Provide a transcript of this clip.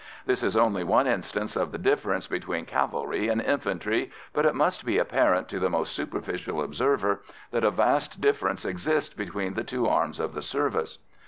This is only one instance of the difference between cavalry and infantry, but it must be apparent to the most superficial observer that a vast difference exists between the two arms of the service.